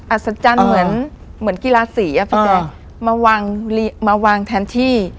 อัศจรรย์เหมือนกีฬาศรีมาวางแทนที่